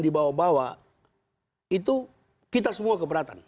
dibawa bawa itu kita semua keberatan